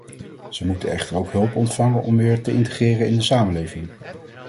Ze moeten echter ook hulp ontvangen om weer te integreren in de samenleving!